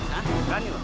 hah berani lu